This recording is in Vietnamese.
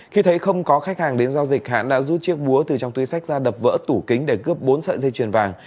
khi thấy không có khách hàng đến giao dịch hãn đã rút chiếc búa từ trong túi sách ra đập vỡ tủ kính để cướp bốn sợi dây chuyền vàng